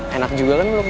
enak juga kan menurut gue